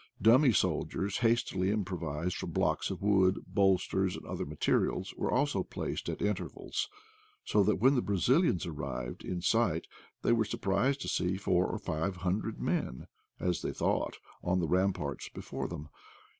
Dummy soldiers, hastily improvised from blocks of wood, bolsters, and other materials, were also placed at intervals ; so that when the Brazilians arrived in sight they were surprised to see four or five hundred men, as they thought, on the ramparts before them.